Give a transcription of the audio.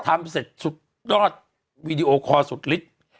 ทำเสร็จสุดยอดวีดีโอคอลสุดฤทธิ์